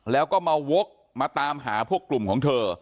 แล้วก็มาวกมาตามหาพวกกลุ่มของเธอ